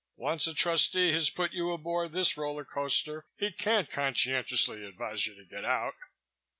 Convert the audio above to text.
Once a trustee has put you aboard this roller coaster, he can't conscientiously advise you to get out."